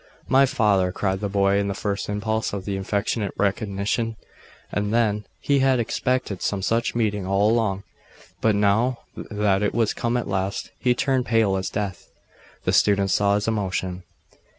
'My father,' cried the boy, in the first impulse of affectionate recognition; and then he had expected some such meeting all along, but now that it was come at last, he turned pale as death. The students saw his emotion.